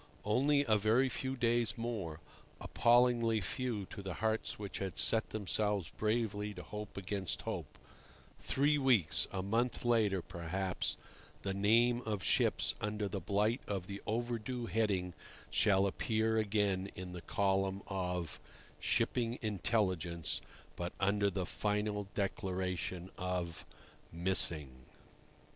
Only a very few days more—appallingly few to the hearts which had set themselves bravely to hope against hope—three weeks, a month later, perhaps, the name of ships under the blight of the "Overdue" heading shall appear again in the column of "Shipping Intelligence," but under the final declaration of "Missing."